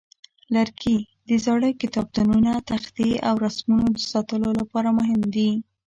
لرګي د زاړه کتابتونه، تختې، او رسمونو د ساتلو لپاره مهم دي.